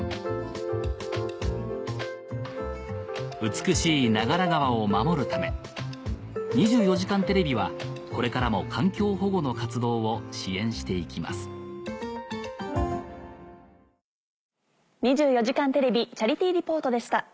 美しい長良川を守るため『２４時間テレビ』はこれからも環境保護の活動を支援して行きます「２４時間テレビチャリティー・リポート」でした。